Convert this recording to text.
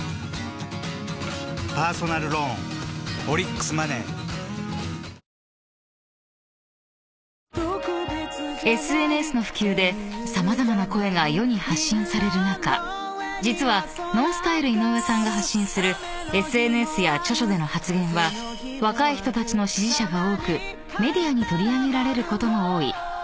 クラフトビール「スプリングバレー」［ＳＮＳの普及で様々な声が世に発信される中実はＮＯＮＳＴＹＬＥ井上さんが発信するＳＮＳや著書での発言は若い人たちの支持者が多くメディアに取り上げられることも多い］